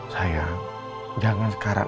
sayang jangan sekarang